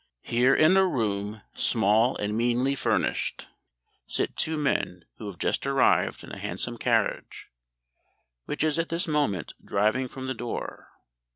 Here in a room small and meanly furnished, sit two men who have just arrived in a handsome carriage, which is at this moment driving from the door.